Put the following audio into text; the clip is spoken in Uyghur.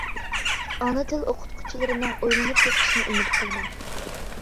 ئانا تىل ئوقۇتقۇچىلىرىنىڭ ئويلىنىپ بېقىشنى ئۈمىد قىلىمەن.